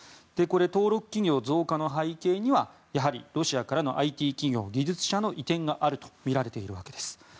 登録企業増加の背景にはやはりロシアからのＩＴ企業の技術者の移転があるとみられているわけです。